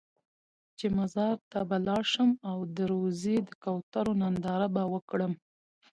چې مزار ته به لاړ شم او د روضې د کوترو ننداره به وکړم.